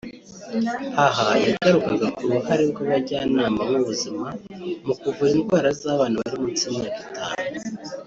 Aha yagarukaga ku ruhare rw’abajyanama b’ubuzima mu kuvura indwara z’abana bari munsi y’imyaka itanu